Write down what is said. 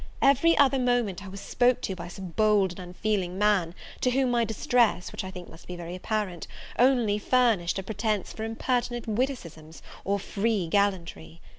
Every other moment I was spoken to by some bold and unfeeling man; to whom my distress, which I think must be very apparent, only furnished a pretence for impertinent witticisms, or free gallantry.